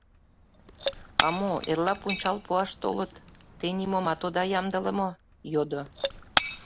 — А мо, эрла пунчал пуаш толыт, те нимомат ода ямдыле мо? — йодо.